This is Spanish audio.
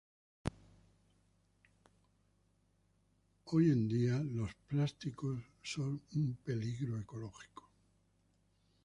Hoy en día, los plásticos modernos se pueden utilizar en su lugar.